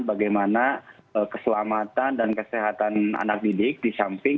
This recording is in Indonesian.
bagaimana keselamatan dan kesehatan anak didik di samping